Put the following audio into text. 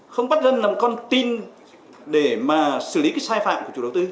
không bắt dân làm con tin để mà xử lý cái sai phạm của chủ đầu tư